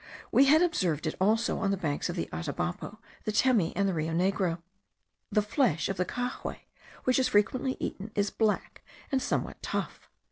We had observed it also on the banks of the Atabapo, the Temi, and the Rio Negro. The flesh of the cahuei, which is frequently eaten, is black and somewhat tough.